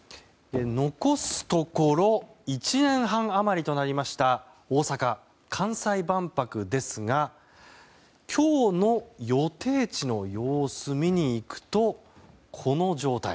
残すところ１年半余りとなりました大阪・関西万博ですが今日の予定地の様子を見に行くとこの状態。